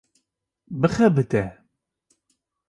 bixebite